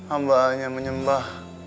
ambah hanya menyembah